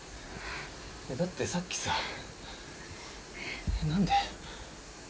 だってさっきさなんで？